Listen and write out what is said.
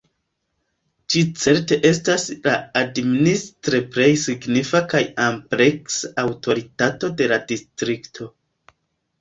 Ĝi certe estas la administre plej signifa kaj ampleksa aŭtoritato de la distrikto.